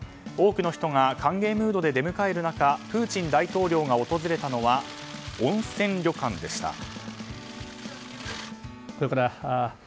多くの人が歓迎ムードで出迎える中プーチン大統領が訪れたのは温泉旅館でした。